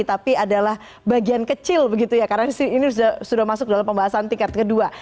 tapi adalah bagian kecil begitu ya karena ini sudah masuk dalam pembahasan tingkat kedua